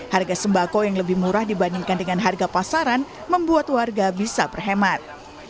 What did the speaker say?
harga sembako yang lebih murah dibandingkan dengan harga pasaran membuat warga bisa berhemat